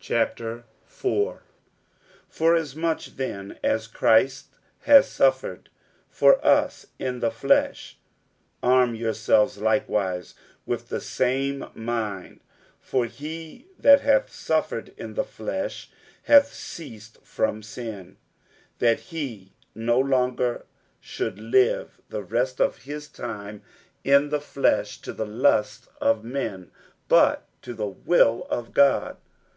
60:004:001 Forasmuch then as Christ hath suffered for us in the flesh, arm yourselves likewise with the same mind: for he that hath suffered in the flesh hath ceased from sin; 60:004:002 That he no longer should live the rest of his time in the flesh to the lusts of men, but to the will of God.